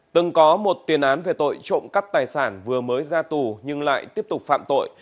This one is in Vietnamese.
từng có một tiền án về tội trộm cắp tài sản vừa mới ra tù nhưng lại tiếp tục phạm tội